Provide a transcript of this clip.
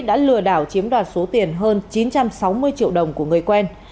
đã lừa đảo chiếm đoạt số tiền hơn chín trăm sáu mươi triệu đồng của người quen